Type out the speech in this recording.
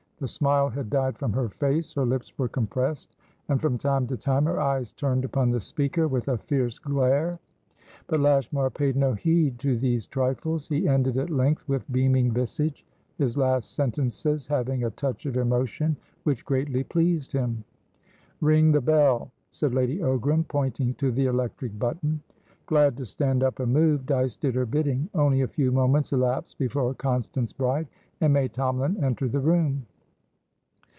The smile had died from her face; her lips were compressed, and from time to time her eyes turned upon the speaker with a fierce glare; but Lashmar paid no heed to these trifles. He ended at length with beaming visage, his last sentences having a touch of emotion which greatly pleased him. "Ring the bell," said Lady Ogram, pointing to the electric button. Glad to stand up and move, Dyce did her bidding. Only a few moments elapsed before Constance Bride and May Tomalin entered the room.